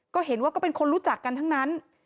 ก็เห็นว่าก็เป็นคนรู้จักกันทั้งนั้น